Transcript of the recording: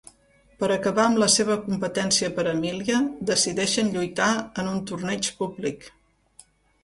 Per acabar amb la seva competència per Emília, decideixen lluitar en un torneig públic.